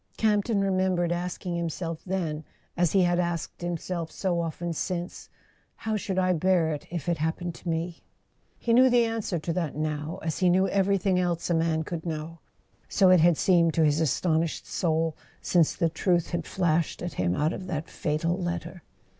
Campton remembered ask¬ ing himself then, as he had asked himself so often since: "How should I bear it if it happened to me?" He knew the answer to that now, as he knew every¬ thing else a man could know: so it had seemed to his astonished soul since the truth had flashed at him out of that fatal letter.